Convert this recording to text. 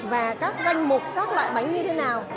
và các danh mục các loại bánh như thế nào